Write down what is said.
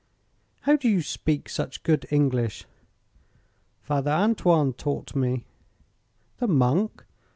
"How do you speak such good English?" "Father Antoine taught me." "The monk?"